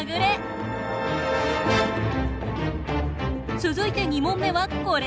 続いて２問目はこれ。